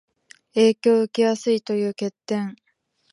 影響を受けやすいという欠点